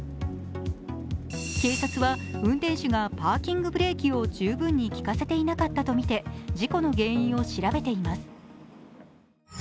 警察は、運転手がパーキングブレーキを十分に効かせていなかったとみて、事故の原因を調べています。